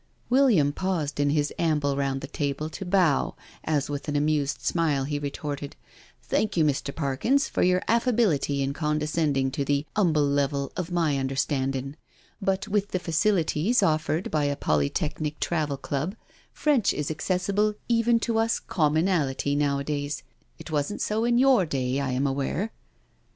" William paused in his amble round the table to bow, as with an amused smile he retorted :" Thank you, Mr, Parkins, for youc affability in condescending to the 'umble level of my understandin'; but with the facilities offered by a Polytechnic Travel Club, French is accessible even to us commonality nowadays — it wasn't so in your day, I am aware.'